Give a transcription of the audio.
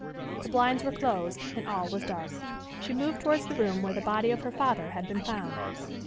The blinds were closed, and all was dark. She moved towards the room where the body of her father had been found.